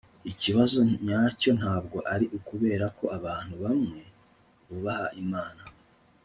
ikibazo nyacyo ntabwo ari ukubera ko abantu bamwe bubaha imana